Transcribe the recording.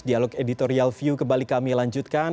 dialog editorial view kembali kami lanjutkan